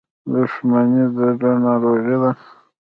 • دښمني د زړه ناروغي ده.